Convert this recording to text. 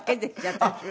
私は。